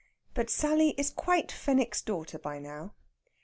BUT SALLY IS QUITE FENWICK'S DAUGHTER BY NOW.